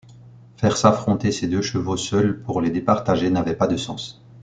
Faire s'affronter ces deux chevaux seuls pour les départager n'avaient pas de sens.